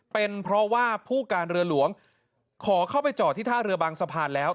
เป็นเพราะว่าผู้การเรือหลวงขอเข้าไปจอดที่ท่าเรือบางสะพานแล้ว